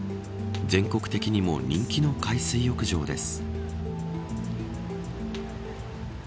全国的にも人気の海水浴場です。